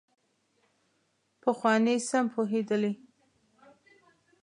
پخواني سم پوهېدلي.